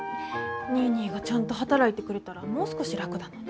ニーニーがちゃんと働いてくれたらもう少し楽だのに。